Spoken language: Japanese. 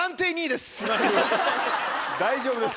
大丈夫です。